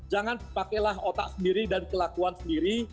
jangan pakailah otak sendiri dan kelakuan sendiri